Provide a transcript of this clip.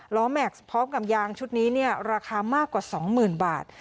ล้อแม็กซ์พร้อมกับยางชุดนี้เนี่ยราคามากกว่าสองหมื่นบาท